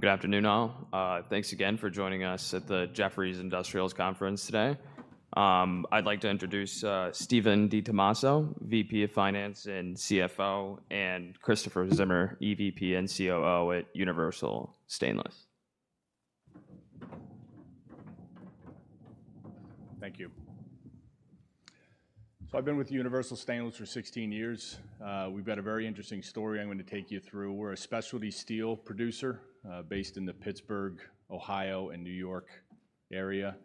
Good afternoon, all. Thanks again for joining us at the Jefferies Industrials Conference today. I'd like to introduce Steven DiTommaso, VP of Finance and CFO, and Christopher Zimmer, EVP and COO at Universal Stainless. Thank you. So I've been with Universal Stainless for 16 years. We've got a very interesting story I'm going to take you through. We're a specialty steel producer, based in the Pittsburgh, Ohio, and New York area.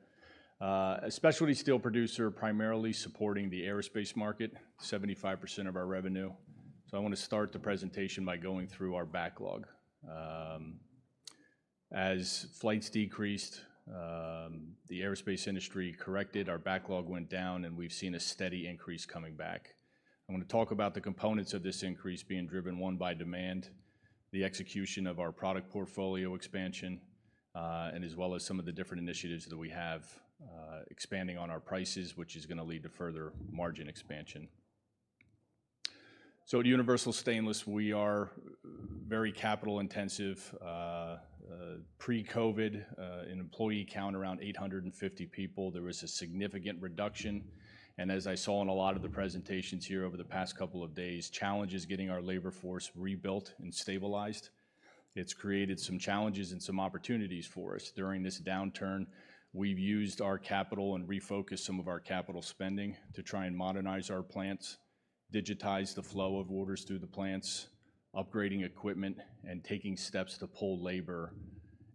A specialty steel producer, primarily supporting the aerospace market, 75% of our revenue. So I want to start the presentation by going through our backlog. As flights decreased, the aerospace industry corrected, our backlog went down, and we've seen a steady increase coming back. I want to talk about the components of this increase being driven, one, by demand, the execution of our product portfolio expansion, and as well as some of the different initiatives that we have, expanding on our prices, which is gonna lead to further margin expansion. So at Universal Stainless, we are very capital intensive. Pre-COVID, an employee count around 850 people, there was a significant reduction. As I saw in a lot of the presentations here over the past couple of days, challenges getting our labor force rebuilt and stabilized. It's created some challenges and some opportunities for us. During this downturn, we've used our capital and refocused some of our capital spending to try and modernize our plants, digitize the flow of orders through the plants, upgrading equipment, and taking steps to pull labor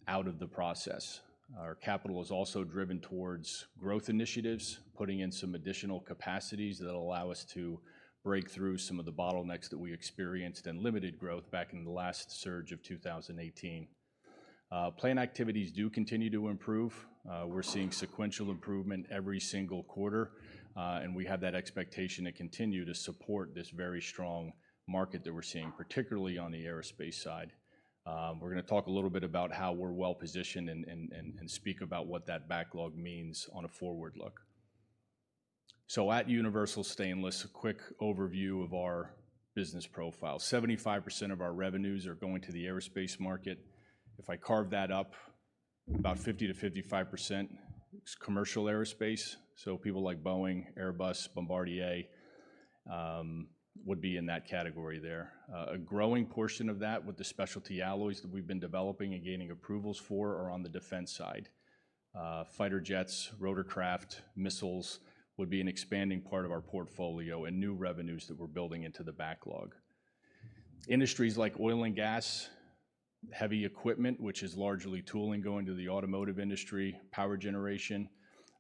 out of the process. Our capital is also driven towards growth initiatives, putting in some additional capacities that allow us to break through some of the bottlenecks that we experienced and limited growth back in the last surge of 2018. Plant activities do continue to improve. We're seeing sequential improvement every single quarter, and we have that expectation to continue to support this very strong market that we're seeing, particularly on the aerospace side. We're gonna talk a little bit about how we're well-positioned and speak about what that backlog means on a forward look. So at Universal Stainless, a quick overview of our business profile. 75% of our revenues are going to the aerospace market. If I carve that up, about 50%-55% is commercial aerospace, so people like Boeing, Airbus, Bombardier would be in that category there. A growing portion of that, with the specialty alloys that we've been developing and gaining approvals for, are on the defense side. Fighter jets, rotorcraft, missiles would be an expanding part of our portfolio and new revenues that we're building into the backlog. Industries like oil and gas, heavy equipment, which is largely tooling going to the automotive industry, power generation,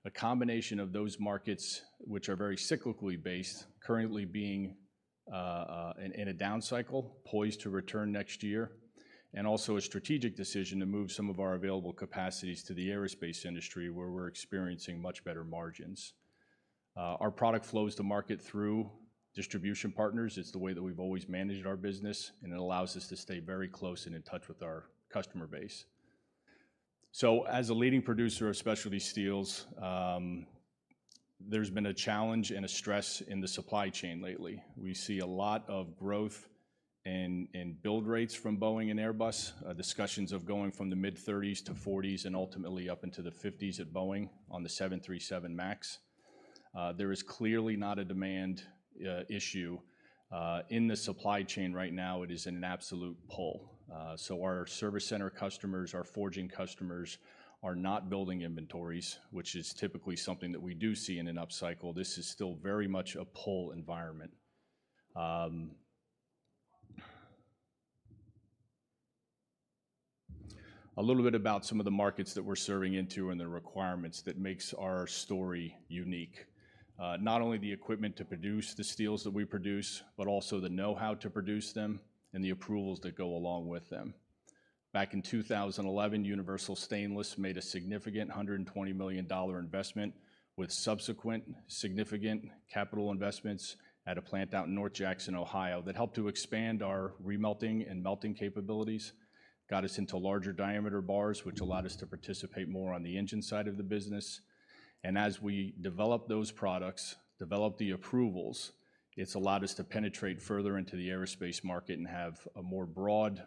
a combination of those markets, which are very cyclically based, currently being in a down cycle, poised to return next year, and also a strategic decision to move some of our available capacities to the aerospace industry, where we're experiencing much better margins. Our product flows to market through distribution partners. It's the way that we've always managed our business, and it allows us to stay very close and in touch with our customer base. So as a leading producer of specialty steels, there's been a challenge and a stress in the supply chain lately. We see a lot of growth in build rates from Boeing and Airbus, discussions of going from the mid-30s to 40s and ultimately up into the 50s at Boeing on the 737 MAX. There is clearly not a demand issue. In the supply chain right now, it is in an absolute pull. So our service center customers, our forging customers, are not building inventories, which is typically something that we do see in an upcycle. This is still very much a pull environment. A little bit about some of the markets that we're serving into and the requirements that makes our story unique. Not only the equipment to produce the steels that we produce, but also the know-how to produce them, and the approvals that go along with them. Back in 2011, Universal Stainless made a significant $120 million investment, with subsequent significant capital investments at a plant out in North Jackson, Ohio, that helped to expand our remelting and melting capabilities, got us into larger diameter bars, which allowed us to participate more on the engine side of the business. As we developed those products, developed the approvals, it's allowed us to penetrate further into the aerospace market and have a more broad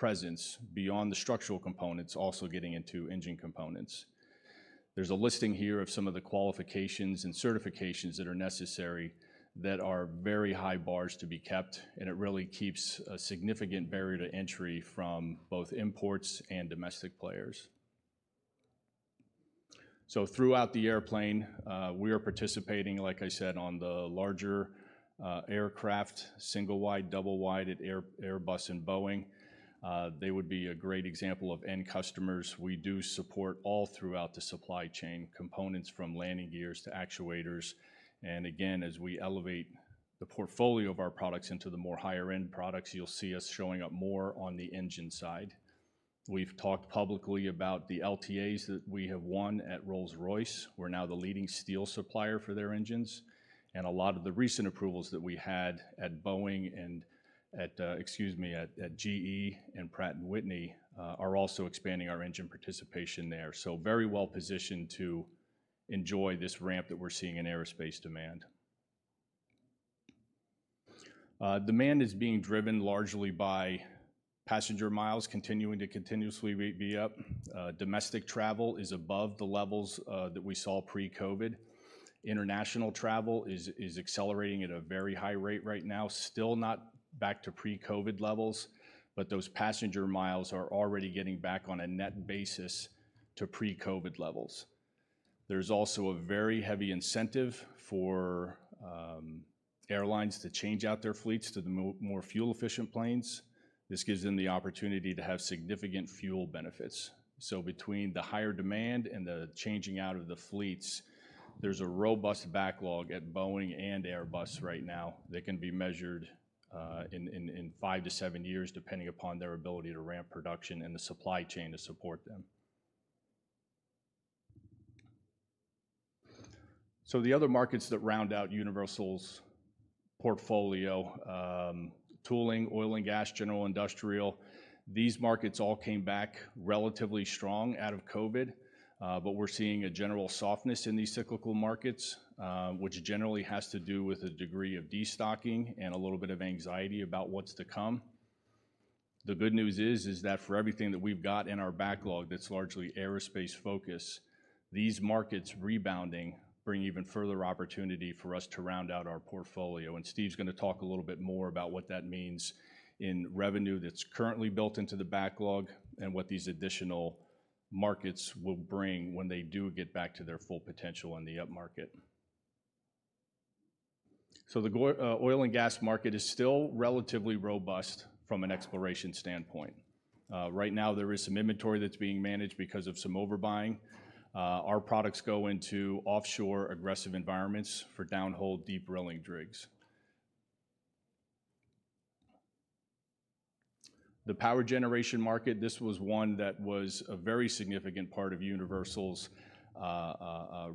presence beyond the structural components, also getting into engine components. There's a listing here of some of the qualifications and certifications that are necessary, that are very high bars to be kept, and it really keeps a significant barrier to entry from both imports and domestic players. So throughout the airplane, we are participating, like I said, on the larger aircraft, single wide, double wide at Airbus and Boeing. They would be a great example of end customers. We do support all throughout the supply chain, components from landing gears to actuators, and again, as we elevate the portfolio of our products into the more higher-end products, you'll see us showing up more on the engine side. We've talked publicly about the LTAs that we have won at Rolls-Royce. We're now the leading steel supplier for their engines, and a lot of the recent approvals that we had at Boeing and at, excuse me, at GE and Pratt & Whitney are also expanding our engine participation there. So very well-positioned to enjoy this ramp that we're seeing in aerospace demand. Demand is being driven largely by passenger miles continuing to continuously be up. Domestic travel is above the levels that we saw pre-COVID. International travel is accelerating at a very high rate right now. Still not back to pre-COVID levels, but those passenger miles are already getting back on a net basis to pre-COVID levels. There's also a very heavy incentive for airlines to change out their fleets to the more fuel-efficient planes. This gives them the opportunity to have significant fuel benefits. So between the higher demand and the changing out of the fleets, there's a robust backlog at Boeing and Airbus right now that can be measured in 5 years-7 years, depending upon their ability to ramp production and the supply chain to support them. So the other markets that round out Universal's portfolio, tooling, oil and gas, general industrial, these markets all came back relatively strong out of COVID. But we're seeing a general softness in these cyclical markets, which generally has to do with a degree of destocking and a little bit of anxiety about what's to come. The good news is that for everything that we've got in our backlog that's largely aerospace-focused, these markets rebounding bring even further opportunity for us to round out our portfolio, and Steve's gonna talk a little bit more about what that means in revenue that's currently built into the backlog, and what these additional markets will bring when they do get back to their full potential in the upmarket. So the oil and gas market is still relatively robust from an exploration standpoint. Right now, there is some inventory that's being managed because of some overbuying. Our products go into offshore aggressive environments for downhole deep drilling rigs. The power generation market, this was one that was a very significant part of Universal's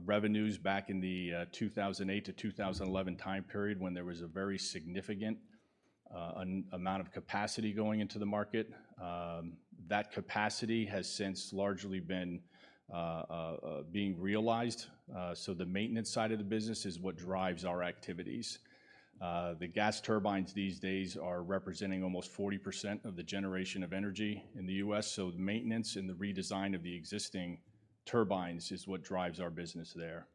revenues back in the 2008 to 2011 time period when there was a very significant amount of capacity going into the market. That capacity has since largely been realized. So the maintenance side of the business is what drives our activities. The gas turbines these days are representing almost 40% of the generation of energy in the U.S., so the maintenance and the redesign of the existing turbines is what drives our business there.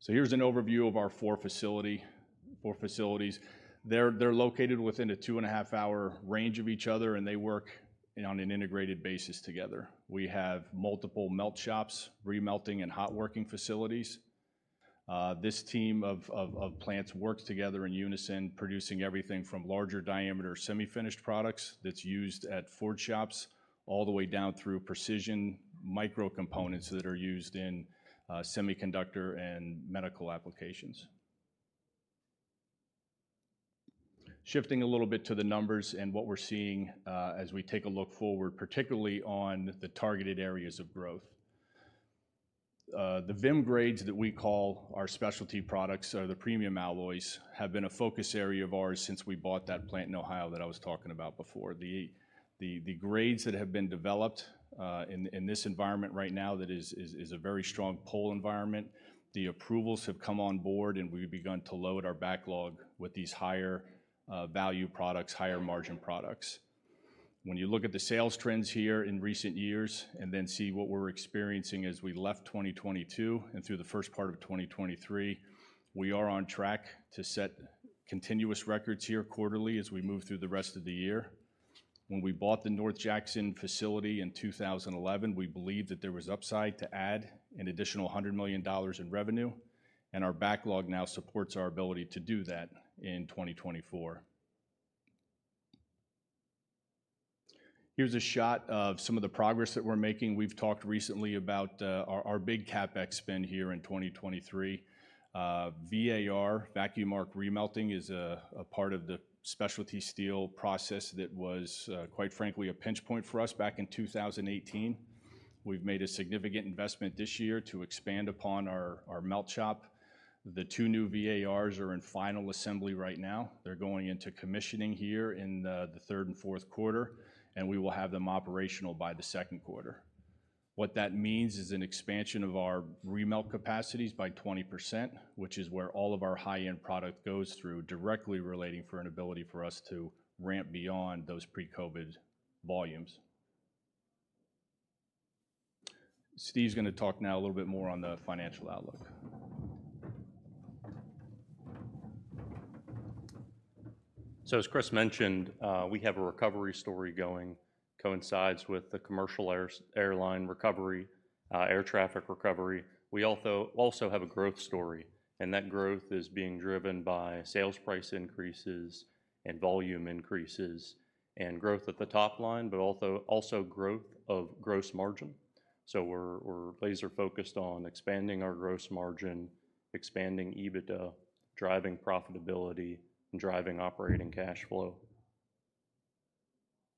So here's an overview of our four facilities. They're located within a 2.5-hour range of each other, and they work on an integrated basis together. We have multiple melt shops, remelting, and hot working facilities. This team of plants works together in unison, producing everything from larger diameter semi-finished products that's used at forge shops, all the way down through precision micro components that are used in semiconductor and medical applications. Shifting a little bit to the numbers and what we're seeing, as we take a look forward, particularly on the targeted areas of growth. The VIM grades that we call our specialty products or the premium alloys have been a focus area of ours since we bought that plant in Ohio that I was talking about before. The grades that have been developed in this environment right now, that is a very strong pull environment. The approvals have come on board, and we've begun to load our backlog with these higher value products, higher margin products. When you look at the sales trends here in recent years and then see what we're experiencing as we left 2022 and through the first part of 2023, we are on track to set continuous records here quarterly as we move through the rest of the year. When we bought the North Jackson facility in 2011, we believed that there was upside to add an additional $100 million in revenue, and our backlog now supports our ability to do that in 2024. Here's a shot of some of the progress that we're making. We've talked recently about our big CapEx spend here in 2023. VAR, vacuum arc remelting, is a part of the specialty steel process that was, quite frankly, a pinch point for us back in 2018. We've made a significant investment this year to expand upon our melt shop. The two new VARs are in final assembly right now. They're going into commissioning here in the third and fourth quarter, and we will have them operational by the second quarter. What that means is an expansion of our remelt capacities by 20%, which is where all of our high-end product goes through, directly relating for an ability for us to ramp beyond those pre-COVID volumes. Steve's gonna talk now a little bit more on the financial outlook. So, as Chris mentioned, we have a recovery story going, coincides with the commercial airline recovery, air traffic recovery. We also have a growth story, and that growth is being driven by sales price increases and volume increases, and growth at the top line, but although also growth of gross margin. So we're laser focused on expanding our gross margin, expanding EBITDA, driving profitability, and driving operating cash flow.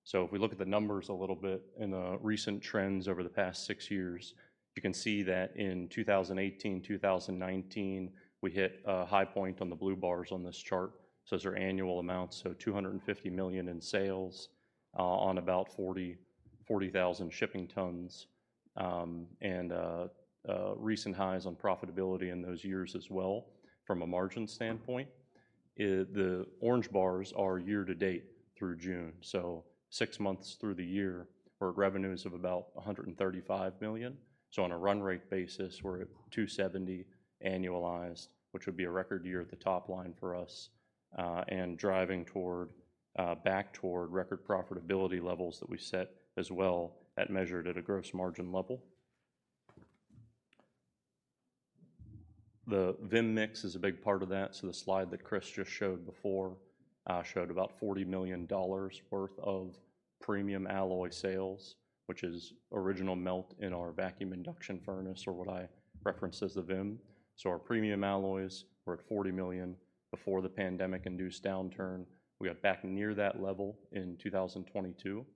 So if we look at the numbers a little bit in the recent trends over the past six years, you can see that in 2018, 2019, we hit a high point on the blue bars on this chart. So those are annual amounts, so $250 million in sales, on about 40-... 40,000 shipping tons, and recent highs on profitability in those years as well from a margin standpoint. The orange bars are year to date through June, so six months through the year, our revenue is of about $135 million. So on a run rate basis, we're at 270 annualized, which would be a record year at the top line for us, and driving toward back toward record profitability levels that we set as well at measured at a gross margin level. The VIM mix is a big part of that, so the slide that Chris just showed before showed about $40 million worth of premium alloy sales, which is original melt in our vacuum induction furnace or what I referenced as the VIM. So our premium alloys were at $40 million before the pandemic-induced downturn. We got back near that level in 2022.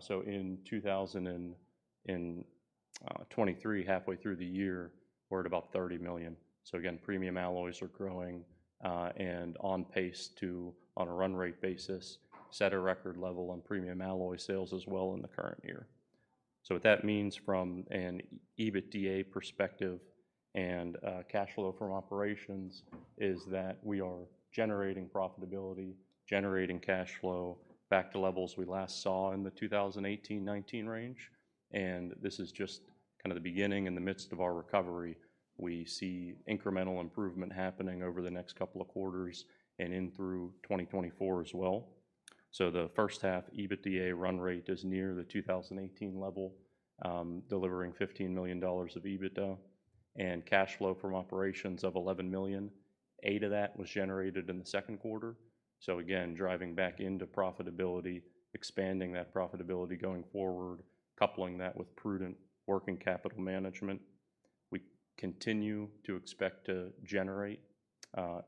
So in 2023, halfway through the year, we're at about $30 million. So again, premium alloys are growing, and on pace to, on a run rate basis, set a record level on premium alloy sales as well in the current year. So what that means from an EBITDA perspective and, cash flow from operations is that we are generating profitability, generating cash flow back to levels we last saw in the 2018-19 range, and this is just kind of the beginning in the midst of our recovery. We see incremental improvement happening over the next couple of quarters and in through 2024 as well. So the first half EBITDA run rate is near the 2018 level, delivering $15 million of EBITDA and cash flow from operations of $11 million. Eight of that was generated in the second quarter. So again, driving back into profitability, expanding that profitability going forward, coupling that with prudent working capital management. We continue to expect to generate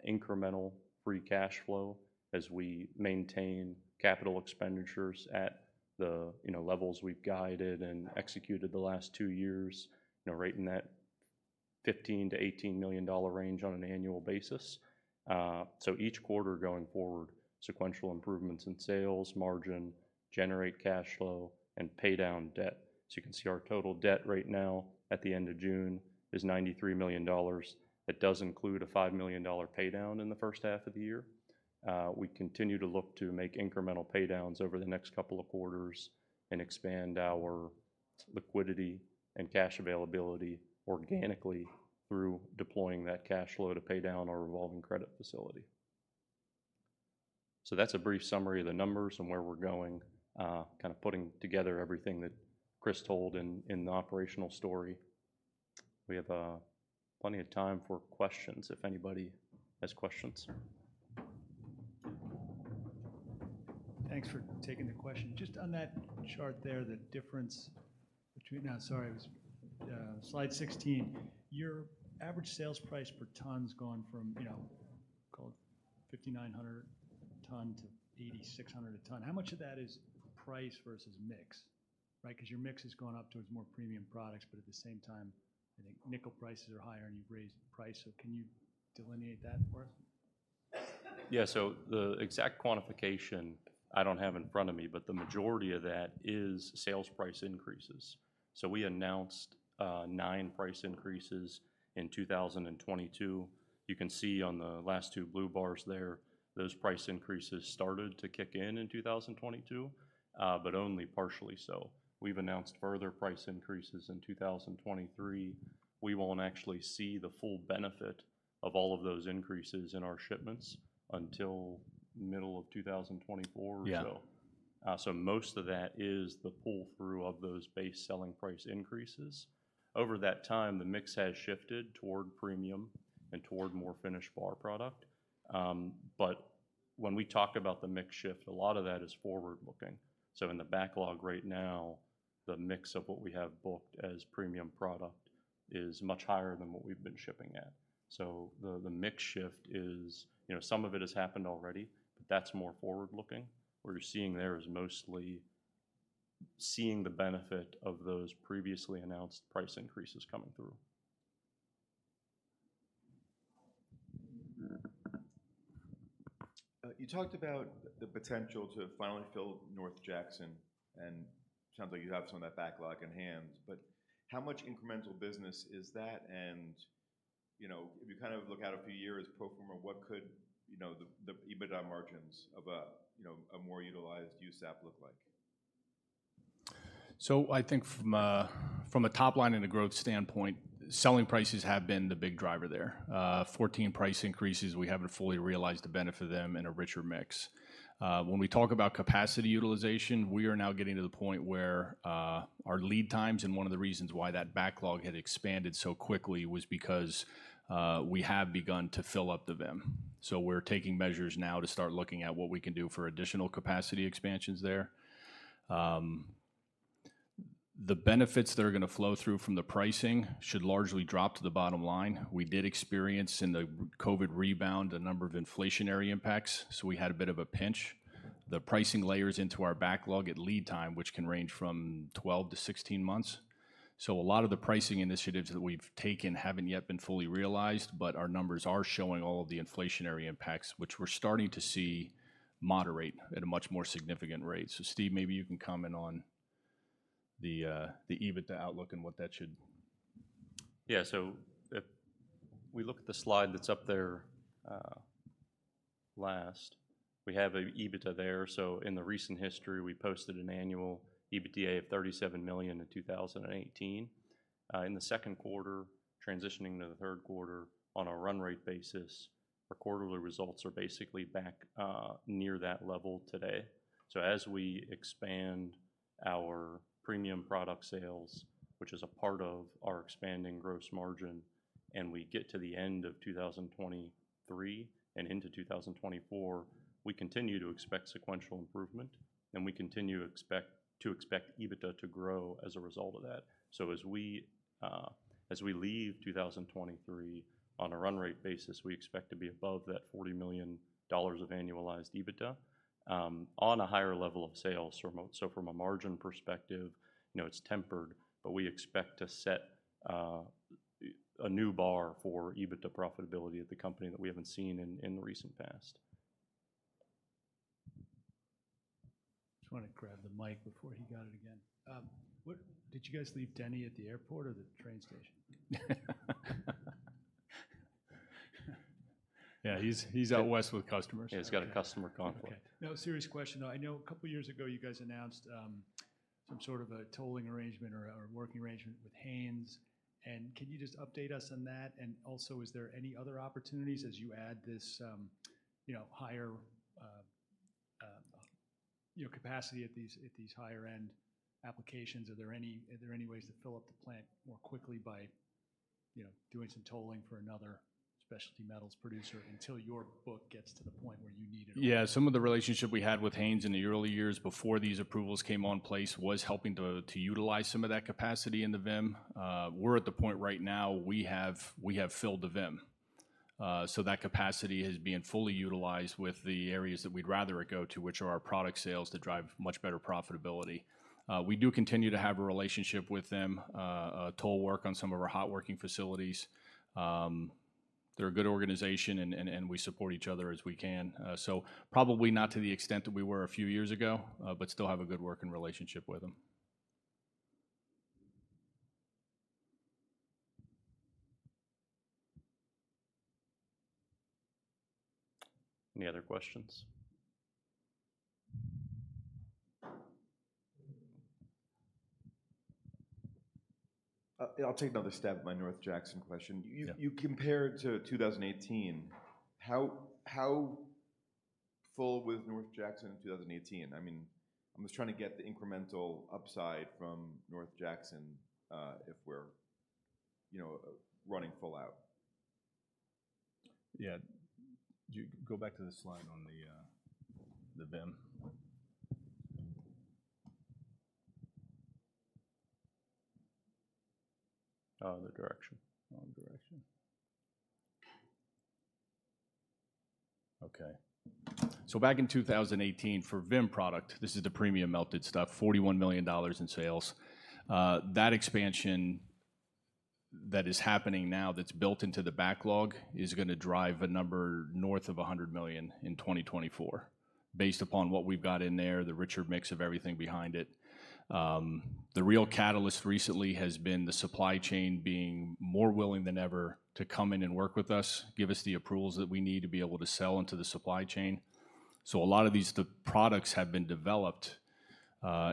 incremental free cash flow as we maintain capital expenditures at the, you know, levels we've guided and executed the last two years, you know, right in that $15-$18 million range on an annual basis. So each quarter going forward, sequential improvements in sales, margin, generate cash flow, and pay down debt. So you can see our total debt right now at the end of June is $93 million. That does include a $5 million pay down in the first half of the year. We continue to look to make incremental pay downs over the next couple of quarters and expand our liquidity and cash availability organically through deploying that cash flow to pay down our revolving credit facility. So that's a brief summary of the numbers and where we're going, kind of putting together everything that Chris told in the operational story. We have plenty of time for questions, if anybody has questions. Thanks for taking the question. Just on that chart there, the difference between... Now, sorry, it was slide 16. Your average sales price per ton's gone from, you know, call it $5,900 a ton-$8,600 a ton. How much of that is price versus mix, right? 'Cause your mix has gone up towards more premium products, but at the same time, I think nickel prices are higher and you've raised price. So can you delineate that for us? Yeah, so the exact quantification I don't have in front of me, but the majority of that is sales price increases. So we announced nine price increases in 2022. You can see on the last two blue bars there, those price increases started to kick in in 2022, but only partially so. We've announced further price increases in 2023. We won't actually see the full benefit of all of those increases in our shipments until middle of 2024 or so. Yeah. So most of that is the pull-through of those base selling price increases. Over that time, the mix has shifted toward premium and toward more finished bar product. But when we talk about the mix shift, a lot of that is forward-looking. So in the backlog right now, the mix of what we have booked as premium product is much higher than what we've been shipping at. So the mix shift is, you know, some of it has happened already, but that's more forward-looking. What you're seeing there is mostly the benefit of those previously announced price increases coming through. You talked about the potential to finally fill North Jackson, and sounds like you have some of that backlog in hand. But how much incremental business is that? And, you know, if you kind of look out a few years pro forma, what could, you know, the, the EBITDA margins of a, you know, a more utilized USAP look like? So I think from a top line and a growth standpoint, selling prices have been the big driver there. 14 price increases, we haven't fully realized the benefit of them in a richer mix. When we talk about capacity utilization, we are now getting to the point where our lead times, and one of the reasons why that backlog had expanded so quickly, was because we have begun to fill up the VIM. So we're taking measures now to start looking at what we can do for additional capacity expansions there. The benefits that are gonna flow through from the pricing should largely drop to the bottom line. We did experience, in the COVID rebound, a number of inflationary impacts, so we had a bit of a pinch. The pricing layers into our backlog at lead time, which can range from 12 months-16 months. So a lot of the pricing initiatives that we've taken haven't yet been fully realized, but our numbers are showing all of the inflationary impacts, which we're starting to see moderate at a much more significant rate. So Steve, maybe you can comment on the EBITDA outlook and what that should- Yeah, so if we look at the slide that's up there, let's, we have an EBITDA there. So in the recent history, we posted an annual EBITDA of $37 million in 2018. In the second quarter, transitioning to the third quarter, on a run rate basis, our quarterly results are basically back near that level today. So as we expand our premium product sales, which is a part of our expanding gross margin, and we get to the end of 2023 and into 2024, we continue to expect sequential improvement, and we continue to expect, to expect EBITDA to grow as a result of that. So as we leave 2023, on a run rate basis, we expect to be above that $40 million of annualized EBITDA on a higher level of sales. From a margin perspective, you know, it's tempered, but we expect to set a new bar for EBITDA profitability at the company that we haven't seen in the recent past. Just wanna grab the mic before he got it again. Did you guys leave Denny at the airport or the train station? Yeah, he's out west with customers. Yeah, he's got a customer call. Okay. No, serious question, though. I know a couple of years ago, you guys announced some sort of a tolling arrangement or working arrangement with Haynes, and can you just update us on that? And also, is there any other opportunities as you add this, you know, higher, you know, capacity at these higher-end applications? Are there any ways to fill up the plant more quickly by, you know, doing some tolling for another specialty metals producer until your book gets to the point where you need it? Yeah, some of the relationship we had with Haynes in the early years before these approvals came on place was helping to, to utilize some of that capacity in the VIM. We're at the point right now, we have filled the VIM. So that capacity is being fully utilized with the areas that we'd rather it go to, which are our product sales that drive much better profitability. We do continue to have a relationship with them, toll work on some of our hot working facilities. They're a good organization, and we support each other as we can. So probably not to the extent that we were a few years ago, but still have a good working relationship with them. Any other questions? I'll take another stab at my North Jackson question. Yeah. You compared to 2018, how full was North Jackson in 2018? I mean, I'm just trying to get the incremental upside from North Jackson, you know, if we're running full out. Yeah. Do you go back to the slide on the VIM. The direction. Wrong direction. Okay. So back in 2018, for VIM product, this is the premium melted stuff, $41 million in sales. That expansion that is happening now, that's built into the backlog, is gonna drive a number north of $100 million in 2024, based upon what we've got in there, the richer mix of everything behind it. The real catalyst recently has been the supply chain being more willing than ever to come in and work with us, give us the approvals that we need to be able to sell into the supply chain. A lot of these, the products have been developed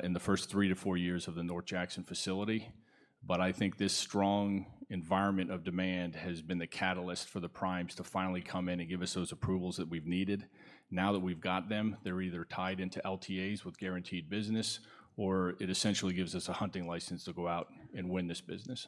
in the first three to four years of the North Jackson facility, but I think this strong environment of demand has been the catalyst for the primes to finally come in and give us those approvals that we've needed. Now that we've got them, they're either tied into LTAs with guaranteed business, or it essentially gives us a hunting license to go out and win this business.